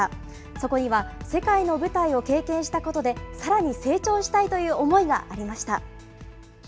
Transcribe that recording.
そこには世界の舞台を経験したことで、さらに成長したいという思いがありました。